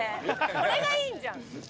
それが良いんじゃん！